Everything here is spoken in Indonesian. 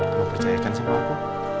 kamu percayakan semua aku